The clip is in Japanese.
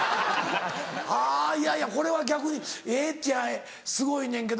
はぁいやいやこれは逆にええっちゃすごいねんけど。